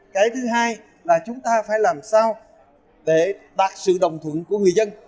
cái thứ hai là chúng ta phải làm sao để đạt sự đồng thuận của người dân